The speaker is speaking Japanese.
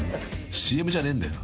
ＣＭじゃねえんだよ］